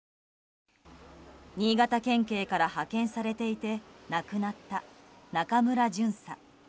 新潟県警から派遣されていて亡くなった中村巡査。